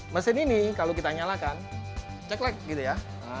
mesin ini kalau kita nyalakan ceklek gitu ya